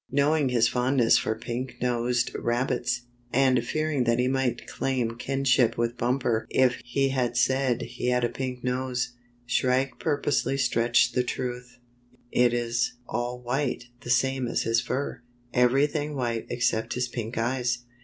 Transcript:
Knowing his fondness for pink nosed rabbits, and fearing that he might claim kinship with Bumper if he said he had a pink nose. Shrike pur posely stretched the truth. 68 The Work of Shrike the Butcher Bird " It is all white, the same as his fur — every thing white except his pink eyes."